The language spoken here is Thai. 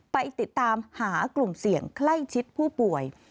ไปติดตามหากลุ่มเสี่ยงใกล้ชิดผู้ป่วย